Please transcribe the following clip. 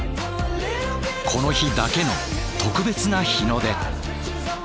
この日だけの特別な日の出。